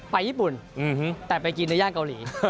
ไปญี่ปุ่นแต่ไปกินในย่านเกาหลี